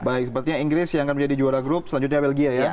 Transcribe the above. baik sepertinya inggris yang akan menjadi juara grup selanjutnya belgia ya